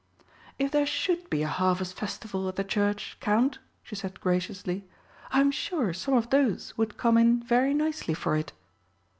"If there should be a Harvest Festival at the Church, Count," she said graciously, "I'm sure some of those would come in very nicely for it!"